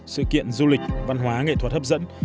sự kiện du lịch văn hóa nghệ thuật hấp dẫn